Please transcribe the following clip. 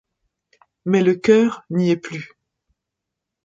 Mais le cœur n’y est plus.